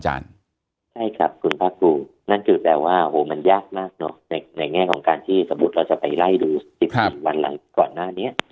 ในแง่สมมติเราจะไปไล่ดู๑๔วันหลังก่อนหน้านี้